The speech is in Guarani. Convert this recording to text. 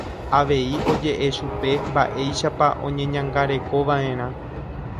Avei oje'e chupe mba'éichapa oñeñangarekova'erã.